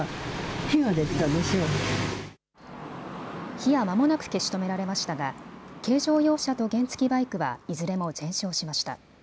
火はまもなく消し止められましたが軽乗用車と原付きバイクはいずれも全焼しました。